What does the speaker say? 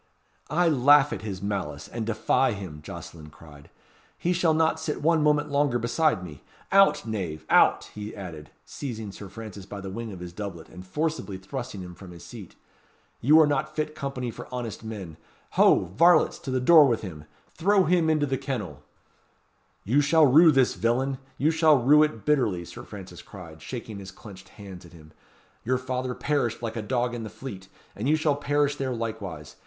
"I laugh at his malice, and defy him," Jocelyn cried "he shall not sit one moment longer beside me. Out, knave! out!" he added, seizing Sir Francis by the wing of his doublet, and forcibly thrusting him from his seat. "You are not fit company for honest men. Ho! varlets, to the door with him! Throw him into the kennel." "You shall rue this, villain! you shall rue it bitterly," Sir Francis cried, shaking his clenched hands at him. "Your father perished like a dog in the Fleet, and you shall perish there likewise.